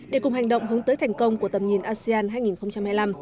để cùng hành động hướng tới thành công của tầm nhìn asean hai nghìn hai mươi năm